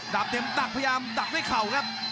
เต็มดักพยายามดักด้วยเข่าครับ